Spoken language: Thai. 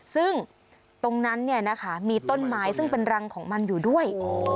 ซึ่งตรงนั้นเนี่ยนะคะมีต้นไม้ซึ่งเป็นรังของมันอยู่ด้วย